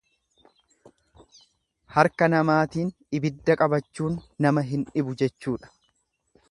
Harka namaatiin ibidda qabachuun nama hin dhibu jechuudha.